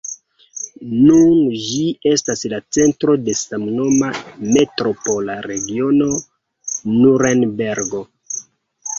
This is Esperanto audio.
Nun ĝi estas la centro de samnoma Metropola regiono Nurenbergo.